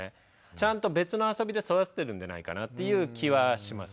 ちゃんと別な遊びで育ててるんじゃないかなっていう気はします。